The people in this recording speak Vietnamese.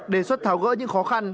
đề xuất tháo gỡ những khó khăn